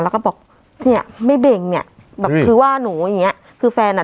แล้วก็บอกเนี้ยไม่เบ่งเนี้ยแบบคือว่าหนูอย่างเงี้ยคือแฟนอ่ะ